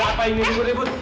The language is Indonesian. ada apa ini ibu